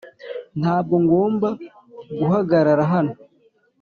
ntabwo ngomba guhagarara hano.